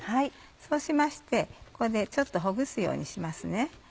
そうしましてここでちょっとほぐすようにします。